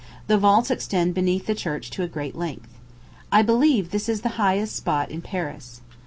The vaults extend beneath the church to a great length. I believe this is the highest spot in Paris.